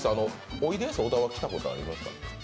おいでやす小田は来たことありますか？